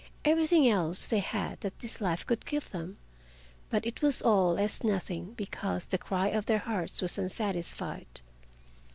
Everything else they had that this life could give them, but it was all as nothing because the cry of their hearts was unsatisfied.